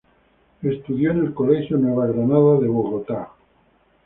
Estudió en el Colegio Nueva Granada de Bogotá.